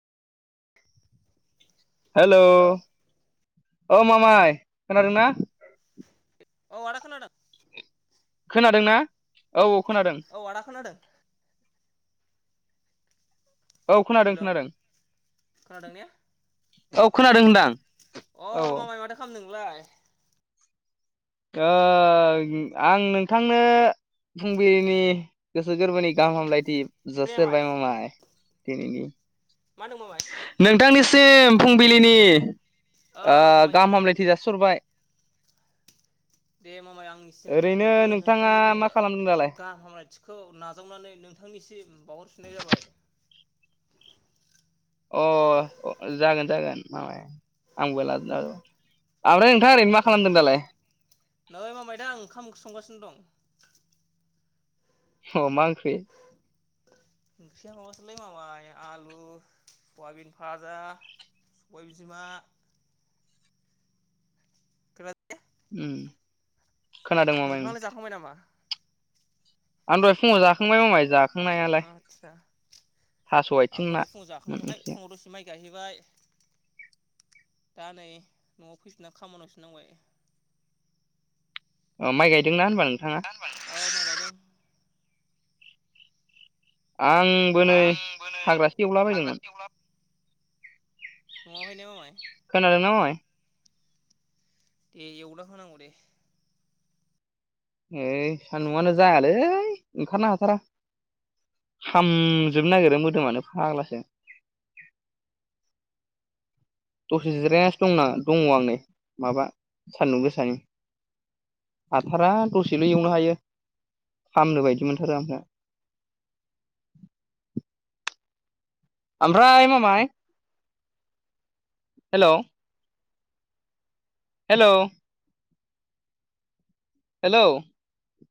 [inaudible] हेल' hello औ मामाय खोनादोंना? औ आदा खोनादों खोनादों ना? औ-औ खोनादों औ आदा खोनदो औ खोनादों हेलौ खोनादों। खोनादों ने अ औ मामाय माथो खालामदों नोंलाय? ओं आं नोंथांनो फुंबि जासिहरबाय मामाय दिनैनि मा दं मामाय? नोंथांनिसिम फुंबिलिनि औ मामाय औ दे मामाय ओरैनो आंनिसिमफ्रायबो नोंथाङा नोंथांनि बे मा खालामदों दालाय खौ नाजावनानै अ आंबोल नै मामाय दा ओंखा अ मा ओंख्रि? ओंख्रिया माबासोलै माबाय आ सबाय बिजिमा उम खोनादों मामाय नोंथाङानो जाखां आं दहाय फुङाव जाखांबाय मामाय जा आदसा। थास' आथिं ना ओंख्रिया माइ गायहैबाय दा नै न'आव फैफिननानै खामानियवसो नांबाय अ माइ गायदोंना होनबा नोंथाङा? नङा होनबा अ आंबो नै आंबो नै हाग्रासो हाग्रासो एवलाबायदोंमोन। नआवहाय ने माबाय? खोनादों ना मामाय? दे एवला होनांगौ दे। ओइ सान्दुंआनो जायालै खामजोबनो नागिरो मोदोमानो फाग्लासो। दसे जिरायनासो दंना दङ आं नै माबा सान्दुं गोसानि हाथारा दसेल एवनो हायो फामनो बायदि मोनथारो आमफ्रा ओमफ्राय मामाय हेलौ! हेलौ! हेलौ!